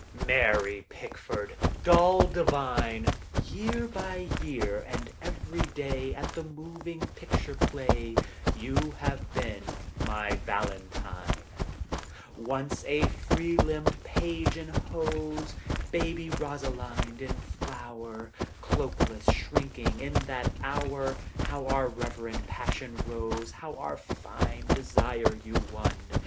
Mary Pickford, doll divine, Year by year, and every day At the moving picture play, You have been my valentine. Once a free limbed page in hose, Baby Rosalind in flower, Cloakless, shrinking, in that hour How our reverent passion rose, How our fine desire you won.